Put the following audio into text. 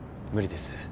無理です。